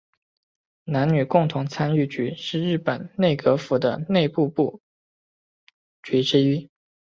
男女共同参与局是日本内阁府的内部部局之一。